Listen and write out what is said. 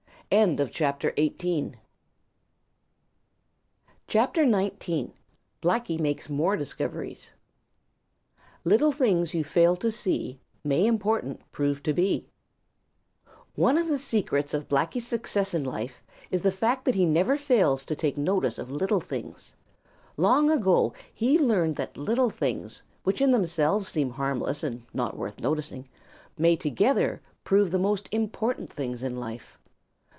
CHAPTER XIX: Blacky Makes More Discoveries Little things you fail to see May important prove to be. Blacky the Crow. One of the secrets of Blacky's success in life is the fact that he never fails to take note of little things. Long ago he learned that little things which in themselves seem harmless and not worth noticing may together prove the most important things in life.